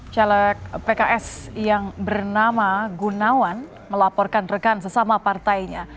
caleg pks yang bernama gunawan melaporkan rekan sesama partainya